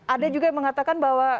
ada juga yang mengatakan bahwa